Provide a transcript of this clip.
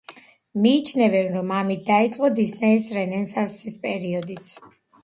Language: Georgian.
მიიჩნევენ, რომ ამით დაიწყო დისნეის რენესანსის პერიოდიც.